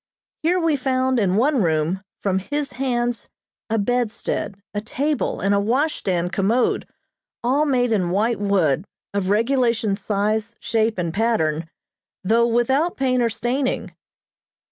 Here we found, in one room, from his hands a bedstead, a table, and a washstand commode, all made in white wood, of regulation size, shape and pattern, though without paint or staining.